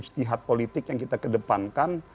istihad politik yang kita kedepankan